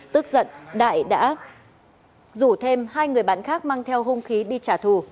tức giận đại đã rủ thêm hai người bạn khác mang theo hung khí đi trả thù